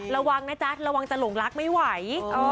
ระวังนะจ๊ะระวังจะหลงรักไม่ไหว